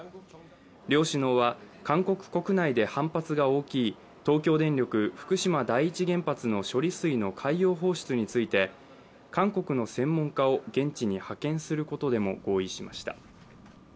両首脳は、韓国国内で反発が大きい東京電力福島第一原発の処理水の海洋放出について韓国の専門家を現地に派遣することでも合意しました。